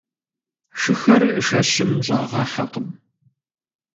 Шыхэр шэщым щӀагъэхьакъым.